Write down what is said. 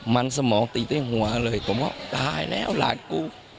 มันสมองตีด้วยหัวเลยผมว่าตายแล้วหลานกู